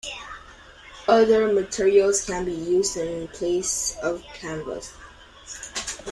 Other materials can be used in place of canvas.